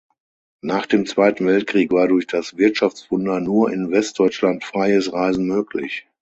Nach dem Zweiten Weltkrieg war durch das Wirtschaftswunder nur in Westdeutschland freies Reisen möglich.